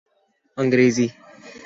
انگریزی